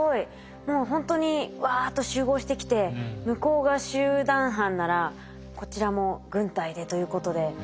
もうほんとにわっと集合してきて向こうが集団犯ならこちらも軍隊でということで。